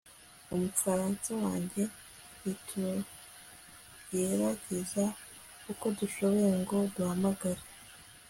umufaransa wanjye, ntitugerageza uko dushoboye ngo duhamagare